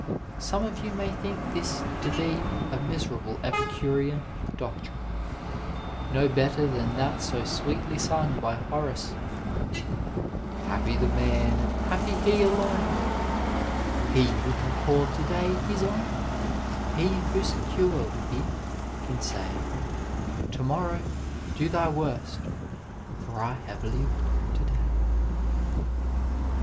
Some of you may think this to be a miserable Epicurean doctrine no better 52 OF LIFE than that so sweetly sung by Horace : Happy the man and Happy he alone, He who can call to day his own, He who secure within can say, To morrow, do thy worst for I have lived to day.